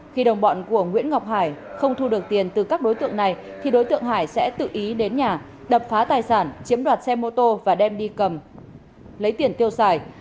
khi đồng bọn của nguyễn ngọc hải không thu được tiền từ các đối tượng này thì đối tượng hải sẽ tự ý đến nhà đập phá tài sản chiếm đoạt xe mô tô và đem đi cầm lấy tiền tiêu xài